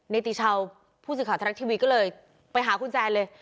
ติชาวผู้สื่อข่าวทรัฐทีวีก็เลยไปหาคุณแซนเลย